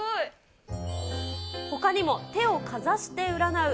ほかにも、手をかざして占う